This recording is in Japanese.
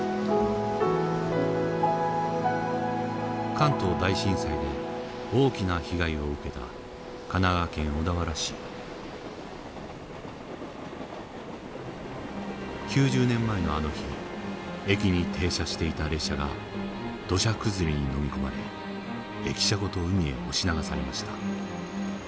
関東大震災で大きな被害を受けた９０年前のあの日駅に停車していた列車が土砂崩れにのみ込まれ駅舎ごと海へ押し流されました。